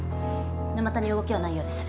沼田に動きはないようです。